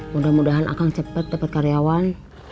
mudah mudahan akang cepat dapet karyawan